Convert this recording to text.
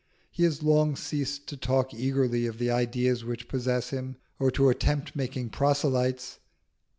He has long ceased to talk eagerly of the ideas which possess him, or to attempt making proselytes.